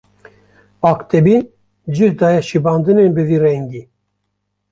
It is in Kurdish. Aqtepî cih daye şibandinên bi vî rengî.